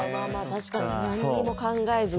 確かに何にも考えずに。